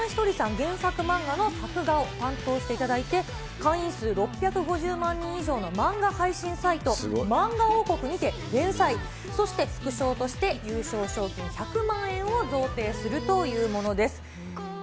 原作漫画の作画を担当していただいて、会員数６５０万人以上の漫画配信サイト、まんが王国にて連載、そして副賞として優勝賞金１００万円を贈呈するというものです。